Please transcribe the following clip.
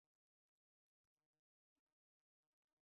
该组织是国际马克思主义倾向的支部。